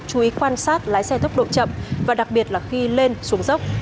chú ý quan sát lái xe tốc độ chậm và đặc biệt là khi lên xuống dốc